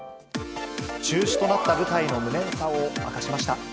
中止となった舞台の無念さを明かしました。